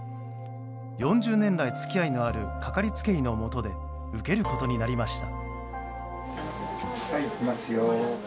４０年来付き合いのあるかかりつけ医のもとで受けることになりました。